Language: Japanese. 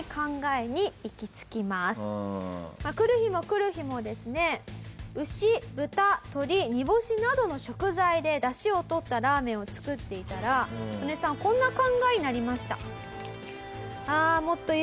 このあと来る日も来る日もですね牛豚鶏煮干しなどの食材で出汁をとったラーメンを作っていたらソネさんこんな考えになりました。